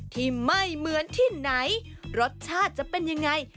ที่ไม่เหมือนที่ไหนรสชาติจะเป็นยังไง